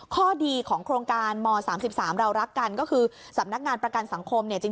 ข้อดีของโครงการม๓๓เรารักกันก็คือสำนักงานประกันสังคมเนี่ย